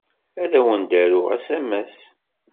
Ad awen-d-aruɣ asamas.